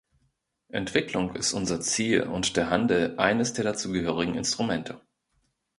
Entwicklung ist unser Ziel und der Handel eines der dazugehörigen Instrumente.